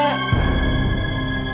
apa yang berjalan